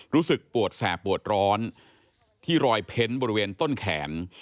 รู้สึกปวดแสบปวดร้อนที่รอยเพ้นบริเวณต้นแขน